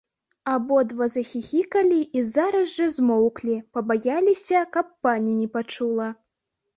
Абодва захіхікалі і зараз жа змоўклі, пабаяліся, каб пані не пачула.